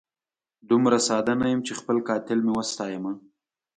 دومره ساده نه یم چي خپل قاتل مي وستایمه